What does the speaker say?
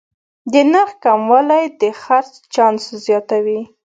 د نرخ کموالی د خرڅ چانس زیاتوي.